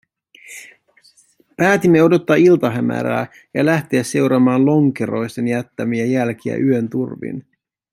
Päätimme odottaa iltahämärää ja lähteä seuraamaan lonkeroisten jättämiä jälkiä yön turvin.